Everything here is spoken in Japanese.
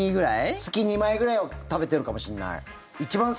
月２枚ぐらいは食べてるかもしんない。